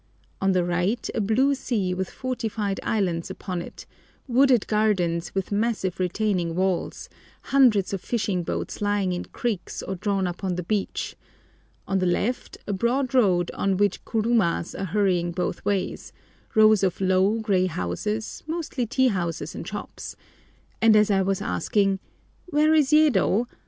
On the right a blue sea with fortified islands upon it, wooded gardens with massive retaining walls, hundreds of fishing boats lying in creeks or drawn up on the beach; on the left a broad road on which kurumas are hurrying both ways, rows of low, grey houses, mostly tea houses and shops; and as I was asking "Where is Yedo?"